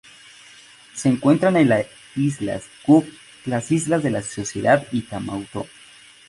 Se encuentran en las Islas Cook, las Islas de la Sociedad y Tuamotu.